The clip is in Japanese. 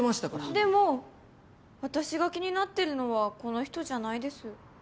でも私が気になってるのはこの人じゃないです。